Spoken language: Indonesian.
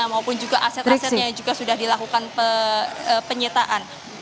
maupun juga aset asetnya juga sudah dilakukan penyitaan